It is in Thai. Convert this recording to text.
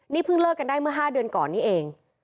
นี่เพิ่งเลิกกันได้เมื่อ๕เดือนก่อนนี้เอง